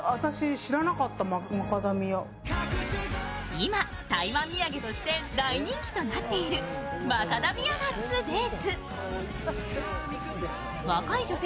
今、台湾土産として大人気となっているマカダミアナッツ・デーツ。